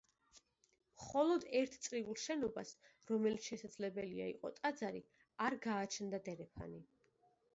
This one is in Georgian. მხოლოდ ერთ წრიულ შენობას, რომელიც შესაძლებელია იყო ტაძარი, არ გააჩნდა დერეფანი.